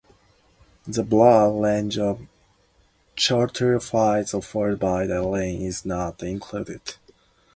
The broad range of charter flights offered by the airline is not included.